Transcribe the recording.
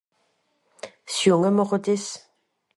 s'junge mache dis